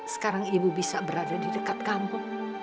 sekarang ibu bisa berada di dekat kampung